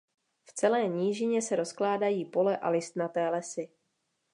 V celé nížině se rozkládají pole a listnaté lesy.